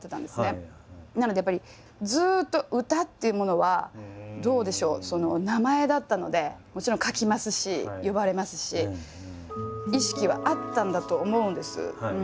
なのでやっぱりずっと「歌」っていうものはどうでしょう名前だったのでもちろん書きますし呼ばれますし意識はあったんだと思うんです。